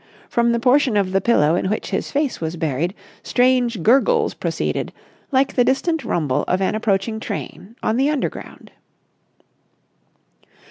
From the portion of the pillow in which his face was buried strange gurgles proceeded, like the distant rumble of an approaching train on the Underground.